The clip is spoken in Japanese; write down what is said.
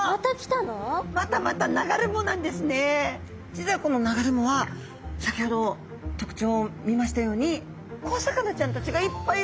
実はこの流れ藻は先ほど特徴を見ましたように小魚ちゃんたちがいっぱいいるんですね。